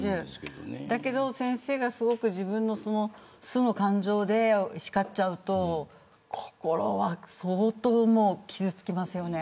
だけど先生が、自分の素の感情でしかってしまうと心は相当傷つきますよね。